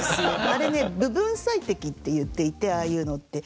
あれね部分最適って言っていてああいうのって。